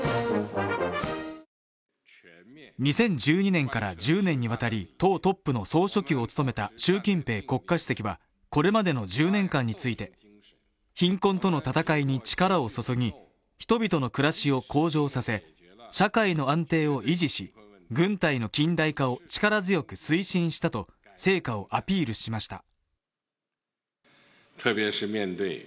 ２０１２年から１０年にわたり党トップの総書記を務めた習近平国家主席はこれまでの１０年間について、貧困との闘いに力を注ぎ、人々の暮らしを向上させ、社会の安定を維持し、軍隊の近代化を力強く推進したと成果をアピールしました。